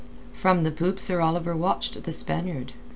From the poop Sir Oliver watched the Spaniard.